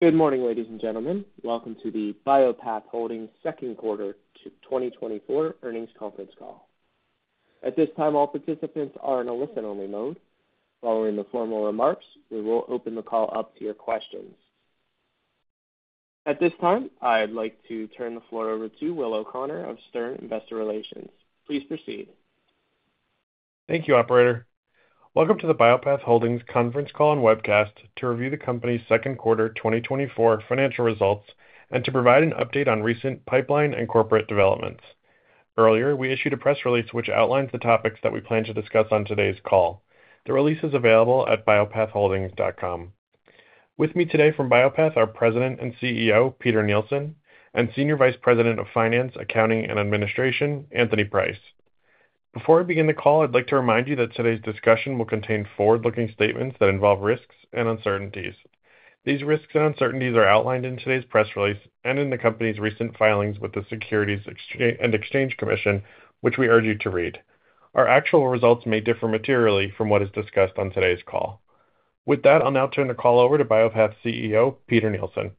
Good morning, ladies and gentlemen. Welcome to the Bio-Path Holdings Second Quarter 2024 Earnings Conference Call. At this time, all participants are in a listen-only mode. Following the formal remarks, we will open the call up to your questions. At this time, I'd like to turn the floor over to Will O'Connor of Stern Investor Relations. Please proceed. Thank you, operator. Welcome to the Bio-Path Holdings conference call and webcast to review the company's second quarter 2024 financial results and to provide an update on recent pipeline and corporate developments. Earlier, we issued a press release which outlines the topics that we plan to discuss on today's call. The release is available at biopathholdings.com. With me today from Bio-Path, our President and CEO, Peter Nielsen, and Senior Vice President of Finance, Accounting, and Administration, Anthony Price. Before I begin the call, I'd like to remind you that today's discussion will contain forward-looking statements that involve risks and uncertainties. These risks and uncertainties are outlined in today's press release and in the company's recent filings with the Securities and Exchange Commission, which we urge you to read. Our actual results may differ materially from what is discussed on today's call. With that, I'll now turn the call over to Bio-Path's CEO, Peter Nielsen.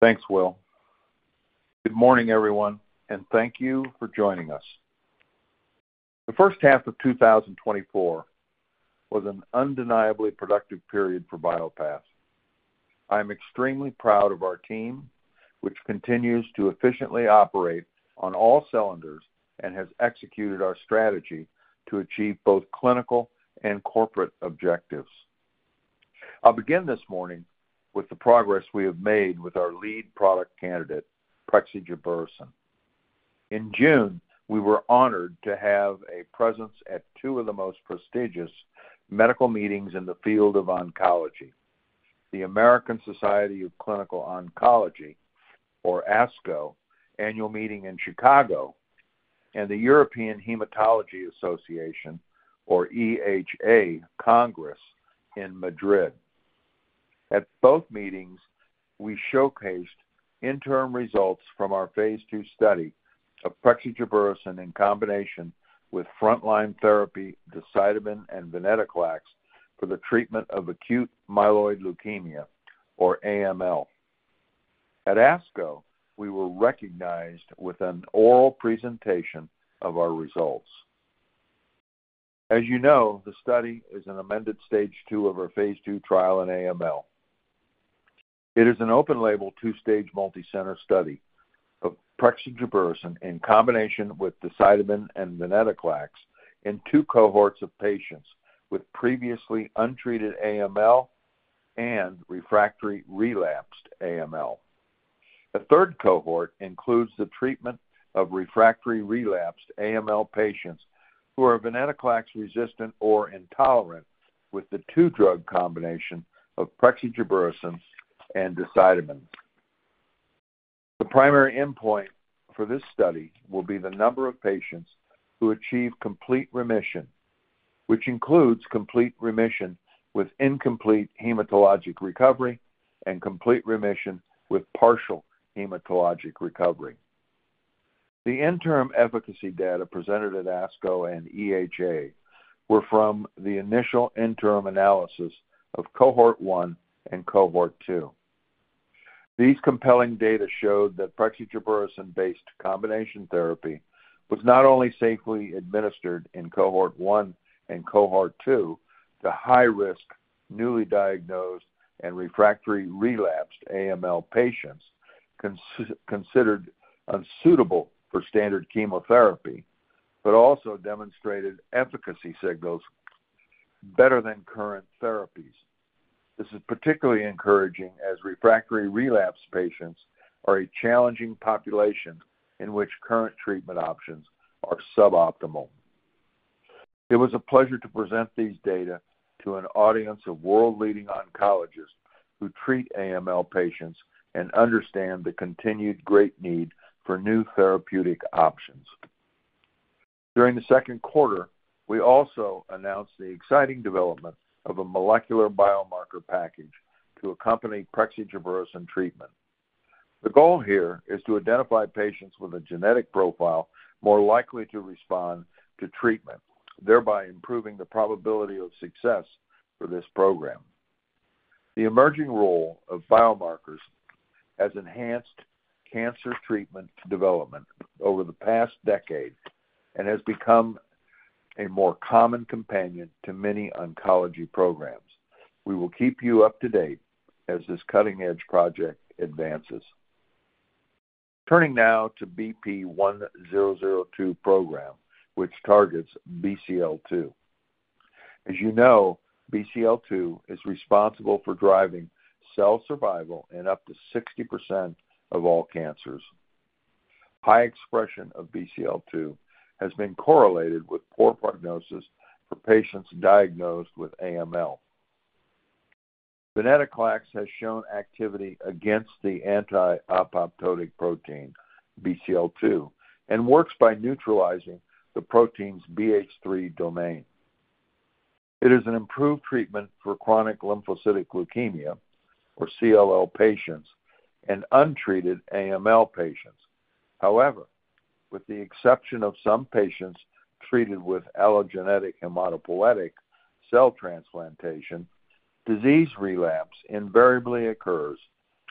Thanks, Will. Good morning, everyone, and thank you for joining us. The first half of 2024 was an undeniably productive period for Bio-Path. I'm extremely proud of our team, which continues to efficiently operate on all cylinders and has executed our strategy to achieve both clinical and corporate objectives. I'll begin this morning with the progress we have made with our lead product candidate, prexigebersen. In June, we were honored to have a presence at two of the most prestigious medical meetings in the field of oncology: the American Society of Clinical Oncology, or ASCO, Annual Meeting in Chicago, and the European Hematology Association, or EHA, Congress in Madrid. At both meetings, we showcased interim results from our Phase II study of prexigebersen in combination with frontline therapy, decitabine and venetoclax, for the treatment of acute myeloid leukemia, or AML. At ASCO, we were recognized with an oral presentation of our results. As you know, the study is an amended Stage 2 of our Phase II trial in AML. It is an open-label, two-stage, multicenter study of prexigebersen in combination with decitabine and venetoclax in two cohorts of patients with previously untreated AML and refractory relapsed AML. A third cohort includes the treatment of refractory relapsed AML patients who are venetoclax resistant or intolerant with the two-drug combination of prexigebersen and decitabine. The primary endpoint for this study will be the number of patients who achieve complete remission, which includes complete remission with incomplete hematologic recovery and complete remission with partial hematologic recovery. The interim efficacy data presented at ASCO and EHA were from the initial interim analysis of cohort 1 and cohort 2. These compelling data showed that prexigebersen-based combination therapy was not only safely administered in cohort one and cohort two to high-risk, newly diagnosed, and refractory relapsed AML patients, considered unsuitable for standard chemotherapy, but also demonstrated efficacy signals better than current therapies. This is particularly encouraging as refractory relapse patients are a challenging population in which current treatment options are suboptimal. It was a pleasure to present these data to an audience of world-leading oncologists who treat AML patients and understand the continued great need for new therapeutic options. During the second quarter, we also announced the exciting development of a molecular biomarker package to accompany prexigebersen treatment. The goal here is to identify patients with a genetic profile more likely to respond to treatment, thereby improving the probability of success for this program. The emerging role of biomarkers has enhanced cancer treatment development over the past decade and has become a more common companion to many oncology programs. We will keep you up to date as this cutting-edge project advances. Turning now to BP1002 program, which targets Bcl-2. As you know, Bcl-2 is responsible for driving cell survival in up to 60% of all cancers. High expression of Bcl-2 has been correlated with poor prognosis for patients diagnosed with AML. Venetoclax has shown activity against the anti-apoptotic protein, Bcl-2, and works by neutralizing the protein's BH3 domain. It is an improved treatment for chronic lymphocytic leukemia, or CLL, patients and untreated AML patients... However, with the exception of some patients treated with allogeneic hematopoietic cell transplantation, disease relapse invariably occurs,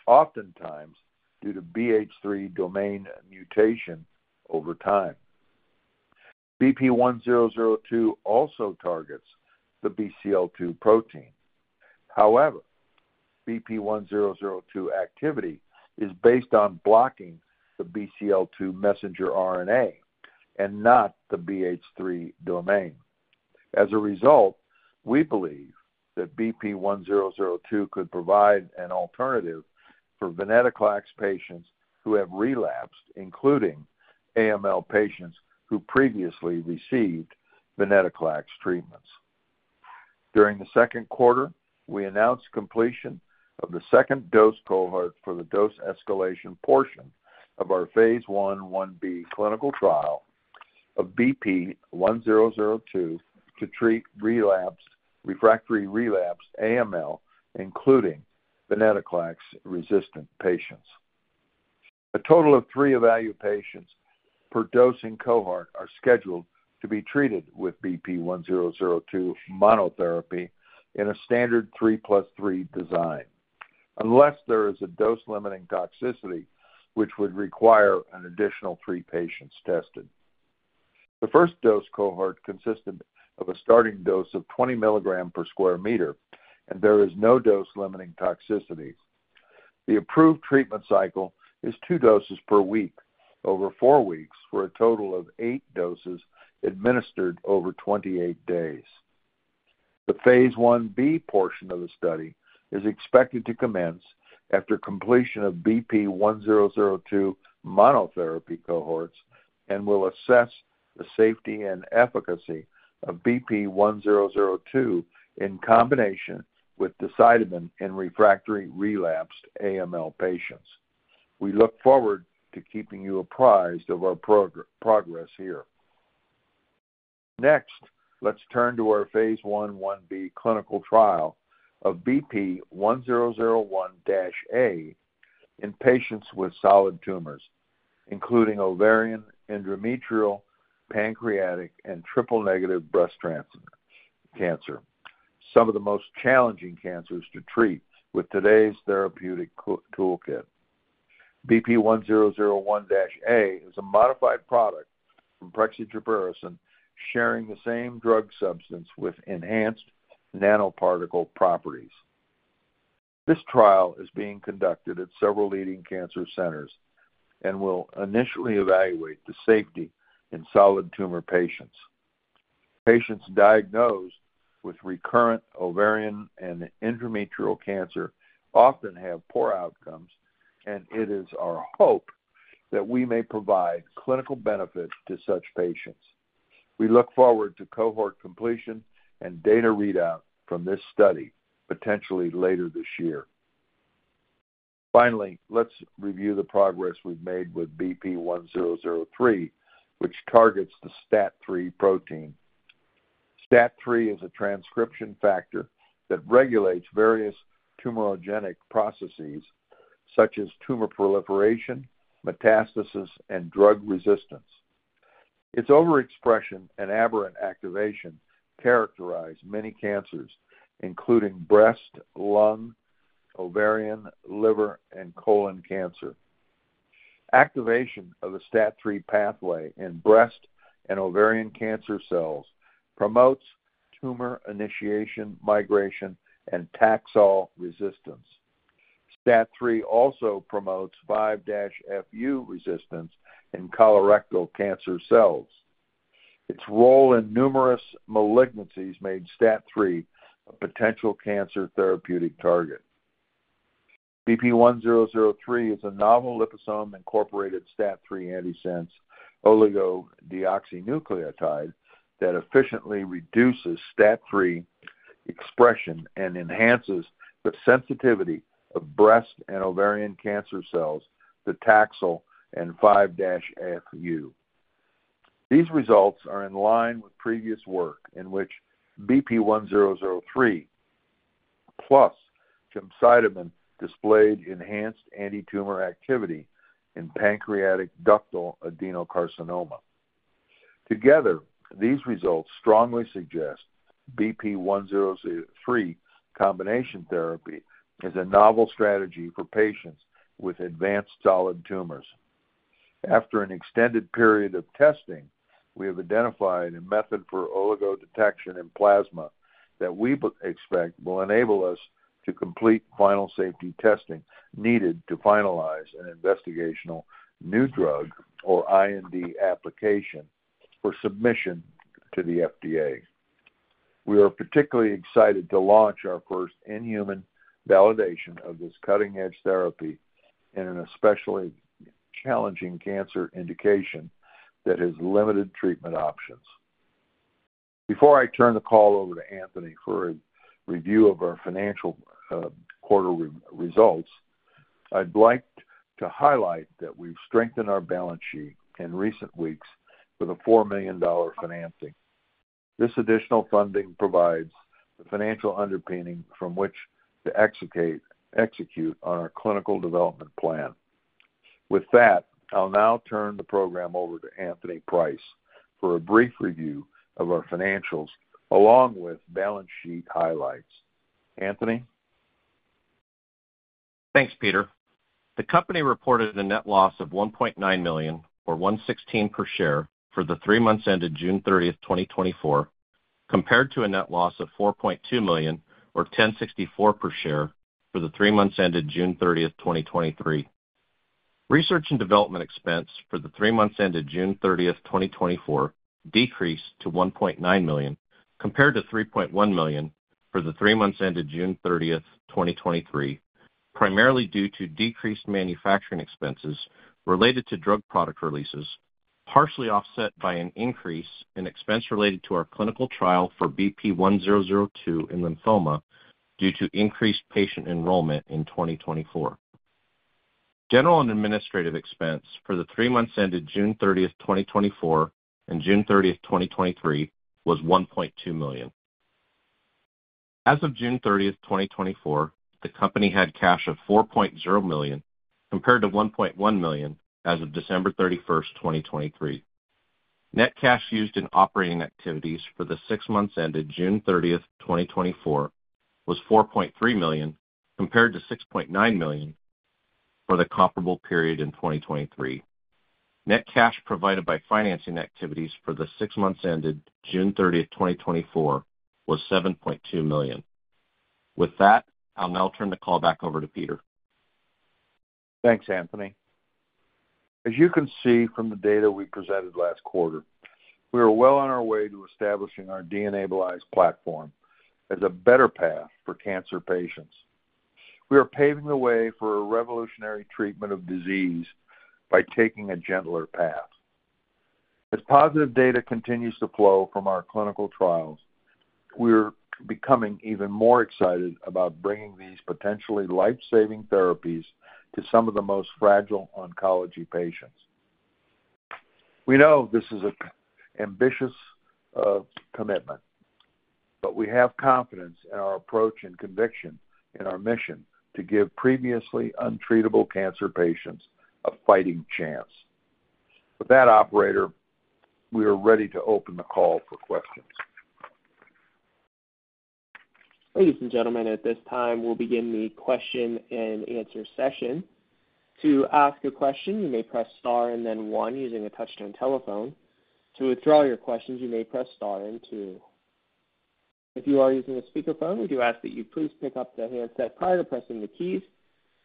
oftentimes due to BH3 domain mutation over time. BP1002 also targets the Bcl-2 protein. However, BP1002 activity is based on blocking the Bcl-2 messenger RNA and not the BH3 domain. As a result, we believe that BP1002 could provide an alternative for venetoclax patients who have relapsed, including AML patients who previously received venetoclax treatments. During the second quarter, we announced completion of the second dose cohort for the dose escalation portion of our Phase 1/1b clinical trial of BP1002 to treat relapsed, refractory relapsed AML, including venetoclax-resistant patients. A total of three evaluated patients per dosing cohort are scheduled to be treated with BP1002 monotherapy in a standard three plus three design, unless there is a dose-limiting toxicity, which would require an additional three patients tested. The first dose cohort consisted of a starting dose of 20 milligrams per square meter, and there is no dose-limiting toxicities. The approved treatment cycle is two doses per week over four weeks, for a total of eight doses administered over 28 days. The Phase 1b portion of the study is expected to commence after completion of BP1002 monotherapy cohorts and will assess the safety and efficacy of BP1002 in combination with decitabine in refractory relapsed AML patients. We look forward to keeping you apprised of our progress here. Next, let's turn to our Phase 1/1b clinical trial of BP1001-A in patients with solid tumors, including ovarian, endometrial, pancreatic, and triple-negative breast cancer, some of the most challenging cancers to treat with today's therapeutic toolkit. BP1001-A is a modified product from prexigebersen, sharing the same drug substance with enhanced nanoparticle properties. This trial is being conducted at several leading cancer centers and will initially evaluate the safety in solid tumor patients. Patients diagnosed with recurrent ovarian and endometrial cancer often have poor outcomes, and it is our hope that we may provide clinical benefit to such patients. We look forward to cohort completion and data readout from this study, potentially later this year. Finally, let's review the progress we've made with BP1003, which targets the STAT3 protein. STAT3 is a transcription factor that regulates various tumorigenic processes such as tumor proliferation, metastasis, and drug resistance. Its overexpression and aberrant activation characterize many cancers, including breast, lung, ovarian, liver, and colon cancer. Activation of the STAT3 pathway in breast and ovarian cancer cells promotes tumor initiation, migration, and Taxol resistance. STAT3 also promotes 5-FU resistance in colorectal cancer cells. Its role in numerous malignancies made STAT3 a potential cancer therapeutic target. BP1003 is a novel liposome-incorporated STAT3 antisense oligodeoxynucleotide that efficiently reduces STAT3 expression and enhances the sensitivity of breast and ovarian cancer cells to Taxol and 5-FU. These results are in line with previous work in which BP1003 plus gemcitabine displayed enhanced antitumor activity in pancreatic ductal adenocarcinoma. Together, these results strongly suggest BP1003 combination therapy is a novel strategy for patients with advanced solid tumors. After an extended period of testing, we have identified a method for oligo detection in plasma that we expect will enable us to complete final safety testing needed to finalize an Investigational New Drug or IND application for submission to the FDA. We are particularly excited to launch our first in-human validation of this cutting-edge therapy in an especially challenging cancer indication that has limited treatment options. Before I turn the call over to Anthony for a review of our financial quarter results, I'd like to highlight that we've strengthened our balance sheet in recent weeks with a $4 million financing. This additional funding provides the financial underpinning from which to execute on our clinical development plan. With that, I'll now turn the program over to Anthony Price for a brief review of our financials, along with balance sheet highlights. Anthony? Thanks, Peter. The company reported a net loss of $1.9 million, or $0.16 per share, for the three months ended June 30, 2024, compared to a net loss of $4.2 million, or $1.064 per share, for the three months ended June 30, 2023. Research and development expense for the three months ended June 30, 2024, decreased to $1.9 million, compared to $3.1 million for the three months ended June 30, 2023, primarily due to decreased manufacturing expenses related to drug product releases, partially offset by an increase in expense related to our clinical trial for BP1002 in lymphoma due to increased patient enrollment in 2024. General and administrative expense for the three months ended June 30, 2024, and June 30, 2023, was $1.2 million. As of June 30, 2024, the company had cash of $4.0 million, compared to $1.1 million as of December 31, 2023. Net cash used in operating activities for the six months ended June 30, 2024, was $4.3 million, compared to $6.9 million for the comparable period in 2023. Net cash provided by financing activities for the six months ended June 30, 2024, was $7.2 million. With that, I'll now turn the call back over to Peter. Thanks, Anthony. As you can see from the data we presented last quarter, we are well on our way to establishing our DNAbilize platform as a better path for cancer patients. We are paving the way for a revolutionary treatment of disease by taking a gentler path. As positive data continues to flow from our clinical trials, we're becoming even more excited about bringing these potentially life-saving therapies to some of the most fragile oncology patients. We know this is an ambitious commitment, but we have confidence in our approach and conviction in our mission to give previously untreatable cancer patients a fighting chance. With that, operator, we are ready to open the call for questions. Ladies and gentlemen, at this time, we'll begin the question and answer session. To ask a question, you may press star and then one using a touch-tone telephone. To withdraw your questions, you may press star and two. If you are using a speakerphone, we do ask that you please pick up the handset prior to pressing the keys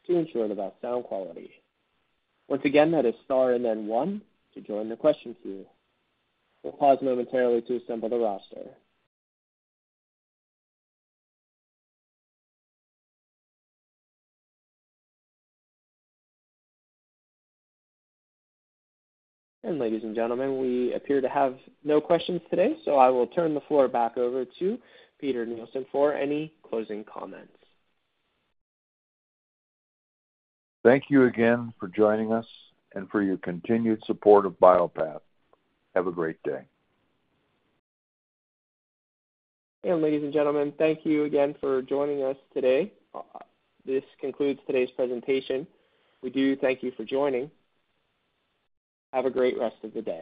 to ensure the best sound quality. Once again, that is star and then one to join the question queue. We'll pause momentarily to assemble the roster. Ladies and gentlemen, we appear to have no questions today, so I will turn the floor back over to Peter Nielsen for any closing comments. Thank you again for joining us and for your continued support of Bio-Path. Have a great day. Ladies and gentlemen, thank you again for joining us today. This concludes today's presentation. We do thank you for joining. Have a great rest of the day.